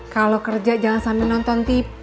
kalau kerja jangan sampai nonton tv